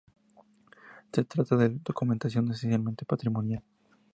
Se trata de documentación esencialmente patrimonial.